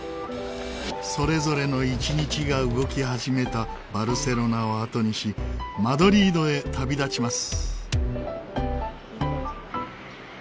それぞれの一日が動き始めたバルセロナを後にしマドリードへ旅立ちます。